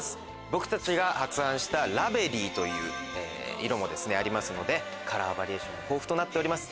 僕たちが発案したラベリーという色もありますのでカラーバリエーションも豊富となっております。